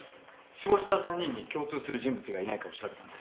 死亡した３人に共通する人物がいないかを調べたんです。